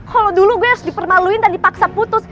kalau dulu gue harus dipermaluin dan dipaksa putus